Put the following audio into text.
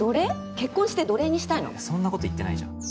結婚して奴隷にしたいのそんなこと言ってないじゃん